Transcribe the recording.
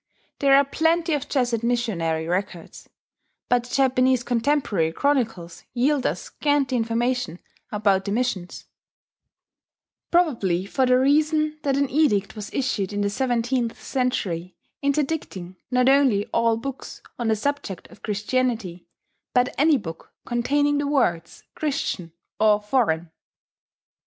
There are plenty of Jesuit missionary records; but the Japanese contemporary chronicles yield us scanty information about the missions probably for the reason that an edict was issued in the seventeenth century interdicting, not only all books on the subject of Christianity, but any book containing the words Christian or Foreign.